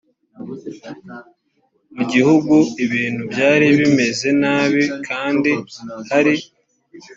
mu gihugu ibintu byari bimeze nabi kandi hari